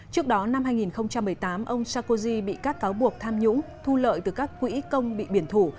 trước đó năm hai nghìn một mươi tám ông sarkozy bị các cáo buộc tham nhũng thu lợi từ các quỹ công bị biển thủ